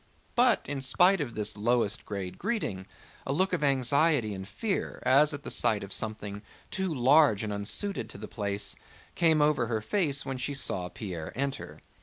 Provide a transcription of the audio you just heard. But in spite of this lowest grade greeting, a look of anxiety and fear, as at the sight of something too large and unsuited to the place, came over her face when she saw Pierre enter.